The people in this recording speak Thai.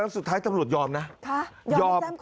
สุดท้ายตำรวจยอมนะยอม